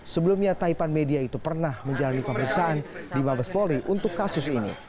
sebelumnya taipan media itu pernah menjalani pemeriksaan di mabes polri untuk kasus ini